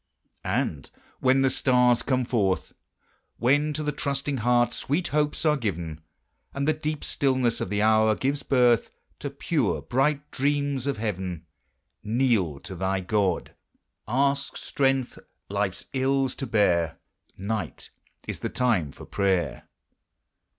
And when the stars come forth, When to the trusting heart sweet hopes are given, And the deep stillness of the hour gives birth To pure, bright dreams of heaven, Kneel to thy God ask strength, life's ills to bear: Night is the time for prayer!